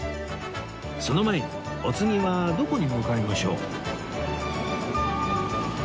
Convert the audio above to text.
その前にお次はどこに向かいましょう？